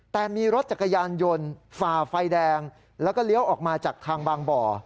แต่มีรถจักรยานยนต์ฝ่าไฟแดงแล้วก็เลี้ยวออกมาจากทางบางบ่อ